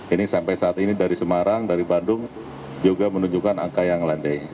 ini sampai saat ini dari semarang dari bandung juga menunjukkan angka yang landai